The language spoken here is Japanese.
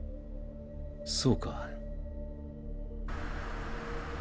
そうか。